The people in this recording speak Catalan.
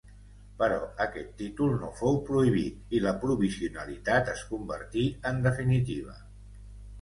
Però aquest títol no fou prohibit i la provisionalitat es convertí en definitiva.